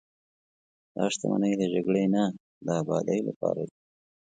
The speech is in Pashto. دا شتمنۍ د جګړې نه، د ابادۍ لپاره دي.